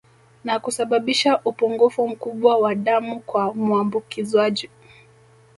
Na kusababisha upungufu mkubwa wa damu kwa muambukizwaji